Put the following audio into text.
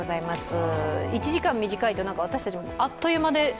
１時間短いと、私たちもあっという間で。